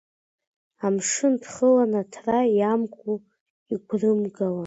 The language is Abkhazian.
Амшын дхылан, аҭра иамкуа, игәрымуан…